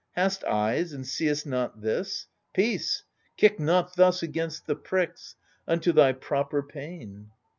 Hast eyes, and seest not this? Peace — kick not thus Against the pricks, unto thy proper pain